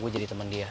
gue jadi temen dia